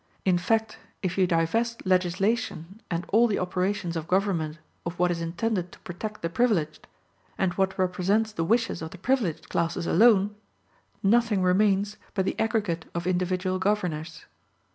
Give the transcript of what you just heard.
In fact, if you divest legislation and all the operations of government of what is intended to protect the privileged, and what represents the wishes of the privileged classes alone, nothing remains but the aggregate of individual governors.